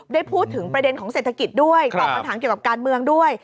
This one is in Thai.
ได้พูดถึงประเด็นของเศรษฐกิจด้วยตอบคำถามเกี่ยวกับการเมืองด้วย